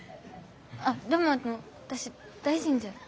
あでもあの私大臣じゃ。